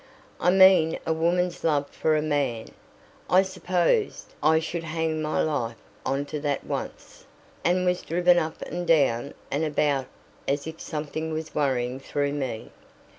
"I mean a woman's love for a man. I supposed I should hang my life on to that once, and was driven up and down and about as if something was worrying through me.